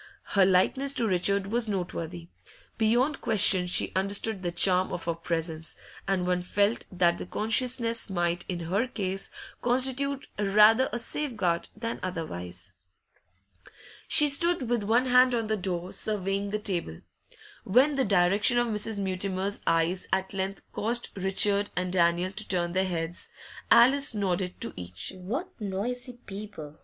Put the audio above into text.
Her likeness to Richard was noteworthy; beyond question she understood the charm of her presence, and one felt that the consciousness might, in her case, constitute rather a safeguard than otherwise. She stood with one hand on the door, surveying the table. When the direction of Mrs. Mutimer's eyes at length caused Richard and Daniel to turn their heads, Alice nodded to each. 'What noisy people!